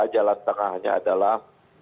jalan tengahnya adalah